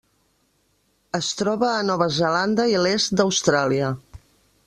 Es troba a Nova Zelanda i l'est d'Austràlia.